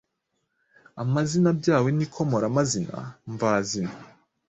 Amazina abyawe n’ikomorazina mvazina